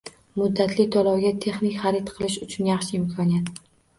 Muddatli to'lovga texnika xarid qilish uchun yaxshi imkoniyat!